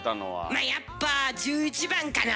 まあやっぱ１１番かな。